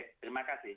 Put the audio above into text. baik terima kasih